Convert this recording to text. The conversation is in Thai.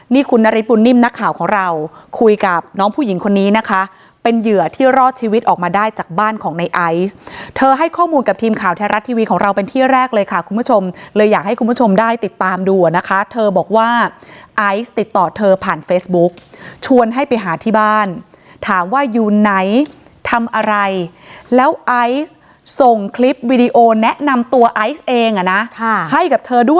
นี่คุณนฤทธบุญนิ่มนักข่าวของเราคุยกับน้องผู้หญิงคนนี้นะคะเป็นเหยื่อที่รอดชีวิตออกมาได้จากบ้านของในไอซ์เธอให้ข้อมูลกับทีมข่าวแท้รัฐทีวีของเราเป็นที่แรกเลยค่ะคุณผู้ชมเลยอยากให้คุณผู้ชมได้ติดตามดูอ่ะนะคะเธอบอกว่าไอซ์ติดต่อเธอผ่านเฟซบุ๊กชวนให้ไปหาที่บ้านถามว่าอยู่ไหนทำอะไรแล้วไอซ์ส่งคลิปวีดีโอแนะนำตัวไอซ์เองอ่ะนะให้กับเธอด้วย